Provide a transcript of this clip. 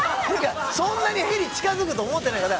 そんなにヘリ近づくと思ってないから。